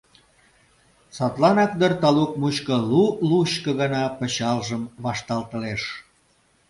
Садланак дыр талук мучко лу-лучко гана пычалжым вашталтылеш.